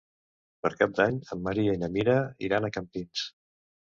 Per Cap d'Any en Maria i na Mira iran a Campins.